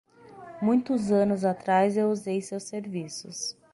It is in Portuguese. Muitos anos atrás eu usei seus serviços.